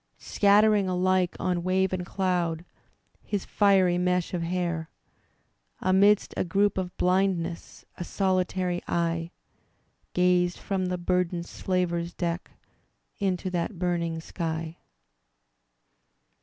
Scattering alike on wave and cloud His fiery mesh of hair. Amidst a group of blindness A solitary eye Gazed from the burdened slaver's deck Into that burning sky.